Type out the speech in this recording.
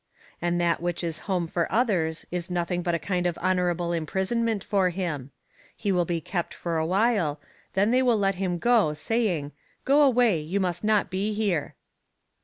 And that which is home for others is nothing but a kind of honourable imprisonment for him; he will be kept for a while, then they will let him go, saying: "Go away, you must not be here."